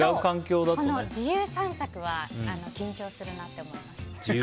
でも、自由散策は緊張するなと思います。